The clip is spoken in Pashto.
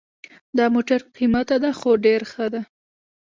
دا موټر قیمته ده خو ډېر ښه ده